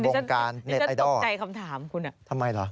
อ๋ออีกหรออันนี้จะตกใจคำถามคุณน่ะทำไมหรือ